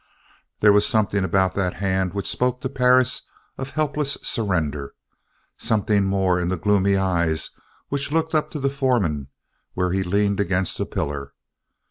There was something about that hand which spoke to Perris of helpless surrender, something more in the gloomy eyes which looked up to the foreman where he leaned against a pillar.